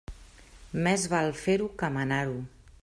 Més val fer-ho que manar-ho.